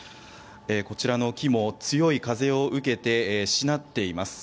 こちらの木も強い風を受けてしなっています。